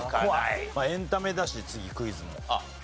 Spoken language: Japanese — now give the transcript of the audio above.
まあエンタメだし次クイズも。